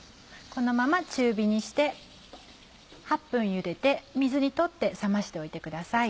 このまま中火にして８分ゆでて水に取って冷ましておいてください。